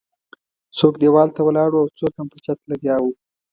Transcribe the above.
څوک ديوال ته ولاړ وو او څوک هم پر چت لګیا وو.